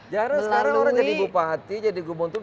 jarang sekarang orang jadi bupati jadi gubernur